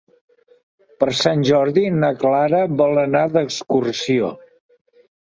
Per Sant Jordi na Clara vol anar d'excursió.